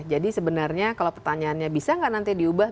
jadi sebenarnya kalau pertanyaannya bisa nggak nanti diubah